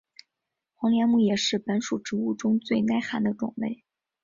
黄连木也是本属植物中最耐寒的种类。